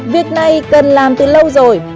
việc này cần làm từ lâu rồi